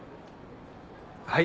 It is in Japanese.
はい。